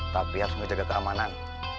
tapi harus menjaga keamanan